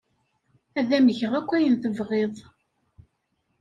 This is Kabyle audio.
Ad am-geɣ akk ayen tebɣiḍ.